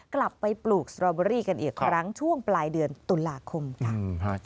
กลับไปปลูกสตรอเบอรี่กันอีกครั้งช่วงปลายเดือนตุลาคมค่ะ